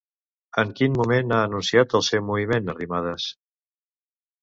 En quin moment ha anunciat el seu moviment, Arrimadas?